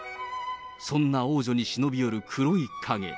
そんな王女に忍び寄る黒い影。